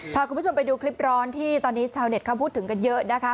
พาคุณผู้ชมไปดูคลิปร้อนที่ตอนนี้ชาวเน็ตเขาพูดถึงกันเยอะนะคะ